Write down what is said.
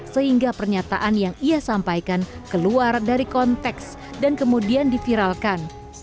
sehingga pernyataan yang ia sampaikan keluar dari konteks dan kemudian diviralkan